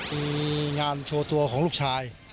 มีงานโชว์ตัวของลูกชาย